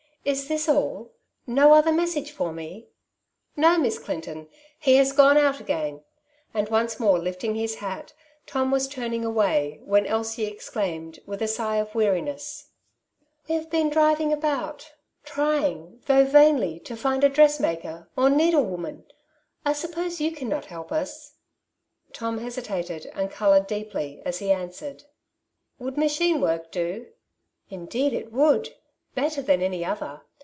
Is this all ? no other message for me ?"" No, Miss Clinton ; he has gone out again ;" and once more lifting his hat, Tom was turning away, when Elsie exclaimed, with a sigh of weariness, — "We have been driving about, trying, though vainly, to find a dressmaker, or needlewoman; I suppose you cannot help us ?" Tom hesitated, and coloured deeply, as he answered, —" Would machine work do ?"'* Indeed it would ; better than any other.